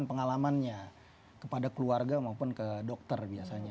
ini adalah kesempatan pengalamannya kepada keluarga maupun ke dokter biasanya